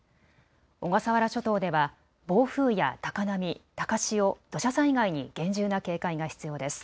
小笠原諸島では暴風や高波、高潮、土砂災害に厳重な警戒が必要です。